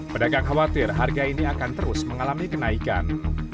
pedagang khawatir harga ini akan terus mengalami kenaikan